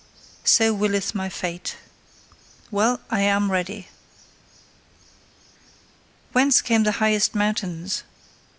So willeth my fate. Well! I am ready. Whence come the highest mountains?